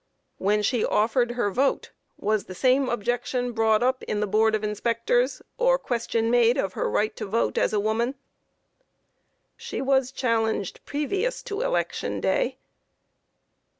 Q. When she offered her vote, was the same objection brought up in the Board of Inspectors, or question made of her right to vote as a woman? A. She was challenged previous to election day.